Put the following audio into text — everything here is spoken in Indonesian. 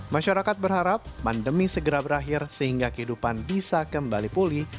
masyarakat berharap pandemi segera berakhir sehingga kehidupan bisa kembali pulih